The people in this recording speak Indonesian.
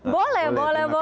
boleh boleh boleh